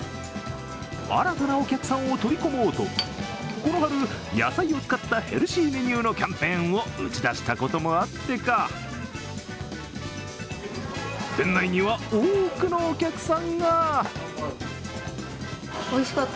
新たなお客さんを取り込もうとこの春野菜を使ったヘルシーメニューのキャンペーンを打ち出したこともあってか、店内には多くのお客さんが。